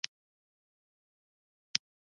کیمیا په درمل جوړولو او کرنه او صنعت کې مهم رول لري.